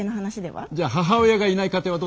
じゃあ母親がいない家庭はどうするんですか？